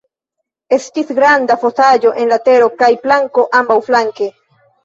Estis granda fosaĵo en la tero kaj planko ambaŭflanke.